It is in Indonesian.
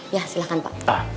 ya silahkan pak